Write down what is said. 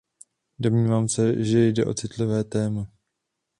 Domnívám se, že jde o citlivé téma.